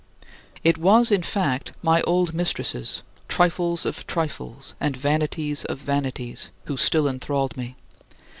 26. It was, in fact, my old mistresses, trifles of trifles and vanities of vanities, who still enthralled me.